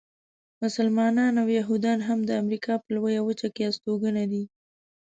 مسلمانان او یهودیان هم د امریکا په لویه وچه کې استوګنه دي.